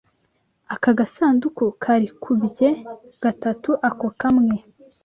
Aka gasanduku karikubye gatatu ako kamwe.